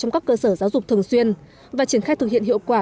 trong các cơ sở giáo dục thường xuyên và triển khai thực hiện hiệu quả